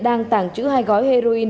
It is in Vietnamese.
đang tàng chữ hai gói heroin